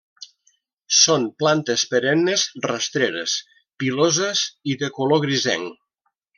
Són plantes perennes rastreres, piloses i de color grisenc.